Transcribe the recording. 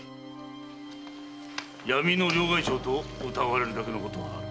「闇の両替商」と謳われるだけのことはある。